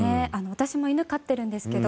私も犬を飼っているんですけど